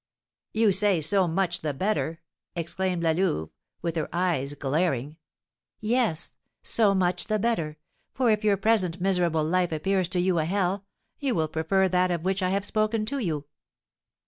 "You say, so much the better!" exclaimed La Louve, with her eyes glaring. "Yes, so much the better! For if your present miserable life appears to you a hell, you will prefer that of which I have spoken to you."